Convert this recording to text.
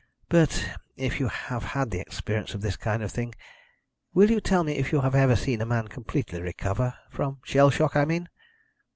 "But if you have had experience of this kind of thing, will you tell me if you have ever seen a man completely recover from shell shock, I mean?"